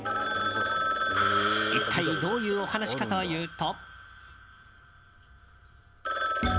一体、どういうお話かというと。